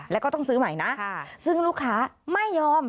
แล้วก็ต้องซื้อใหม่นะซึ่งลูกค้าไม่ยอม